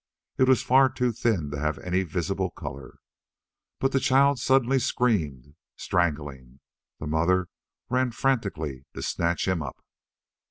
It was far too thin to have any visible color. But the child suddenly screamed, strangling. The mother ran frantically to snatch him up.